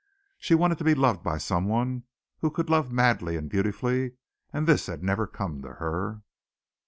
She wanted to be loved by someone who could love madly and beautifully, and this had never come to her.